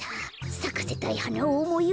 さかせたいはなをおもいうかべれば。